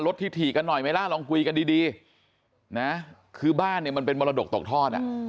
ที่ถี่กันหน่อยไหมล่ะลองคุยกันดีนะคือบ้านเนี่ยมันเป็นมรดกตกทอด